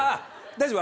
大丈夫。